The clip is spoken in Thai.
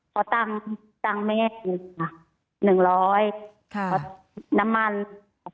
ก็ตั้งไม่ง่ายหนึ่งร้อยน้ำมันของเพื่อน